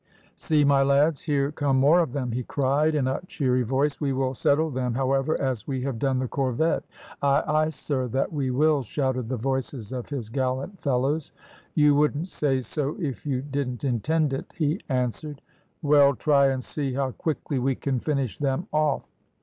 "See, my lads, here come more of them!" he cried, in a cheery voice. "We will settle them, however, as we have done the corvette!" "Ay, ay, sir, that we will!" shouted the voices of his gallant fellows. "You wouldn't say so if you didn't intend it," he answered. "Well, try and see how quickly we can finish them off."